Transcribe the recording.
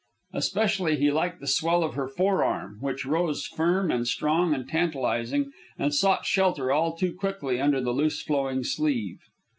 Especially he liked the swell of her forearm, which rose firm and strong and tantalizing and sought shelter all too quickly under the loose flowing sleeve.